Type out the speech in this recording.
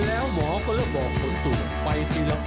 แล้วหมอก็เรียกบอกคุณทุกค์ไปที่ละคร